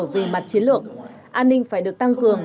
về mặt chiến lược an ninh phải được tăng cường